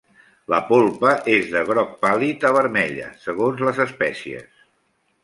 La polpa és de groc pàl·lid a vermella, segons les espècies.